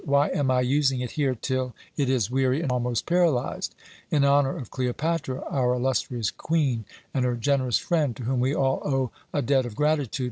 Why am I using it here till it is weary and almost paralyzed? In honour of Cleopatra, our illustrious Queen, and her generous friend, to whom we all owe a debt of gratitude.